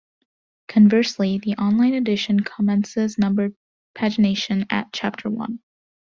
Conversely, the online edition commences numbered pagination "at" chapter one.